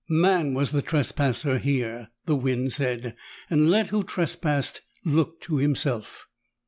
Man was the trespasser here, the wind said, and let who trespassed look to himself.